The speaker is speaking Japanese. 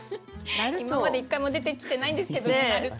今まで一回も出てきてないんですけどねなると。